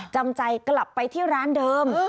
จำใจกลับไปที่ร้านเดิม